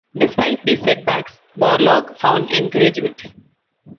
Despite these setbacks, Borlaug found encouragement.